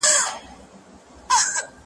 زاهده نن دي وار دی د مستیو، د رقصونو ,